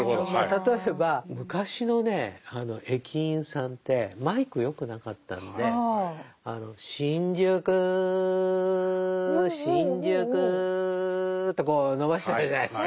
例えば昔のね駅員さんってマイクよくなかったんで「新宿新宿」ってこう伸ばしてたじゃないですか。